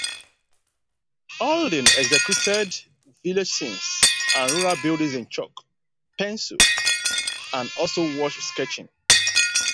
Aldin executed village scenes and rural buildings in chalk, pencil and also wash sketching.